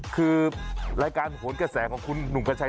คือรายการโหนกระแสของคุณหนุ่มกัญชัย